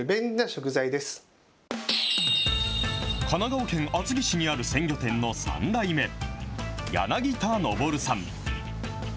神奈川県厚木市にある鮮魚店の３代目、柳田昇さん。